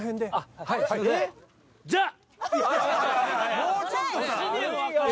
もうちょっとさ。